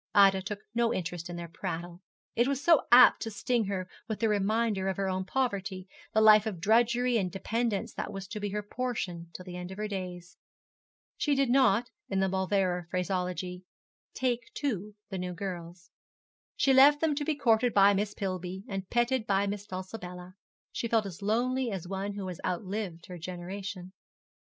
Ida took no interest in their prattle. It was so apt to sting her with the reminder of her own poverty, the life of drudgery and dependence that was to be her portion till the end of her days. She did not, in the Mauleverer phraseology, 'take to' the new girls. She left them to be courted by Miss Pillby, and petted by Miss Dulcibella. She felt as lonely as one who has outlived her generation.